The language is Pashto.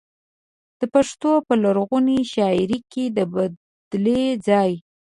د پښتو په لرغونې شاعرۍ کې د بدلې ځای.